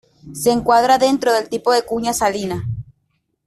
Se encuadra dentro del tipo de cuña salina.